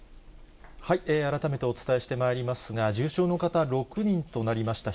改めてお伝えしてまいりますが、重症の方、６人となりました。